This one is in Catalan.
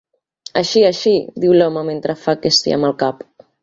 "Així, així," diu l'home mentre fa que sí amb el cap.